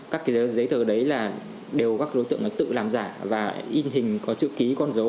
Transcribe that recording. các cái giấy tờ đấy là đều các đối tượng tự làm giả và in hình có chữ ký con dấu